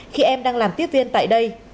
khi em đang làm tiếp viên tại đây